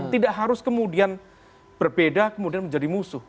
tidak harus kemudian berbeda kemudian menjadi musuh